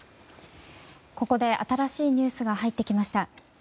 ここで新しいニュースが入ってきました。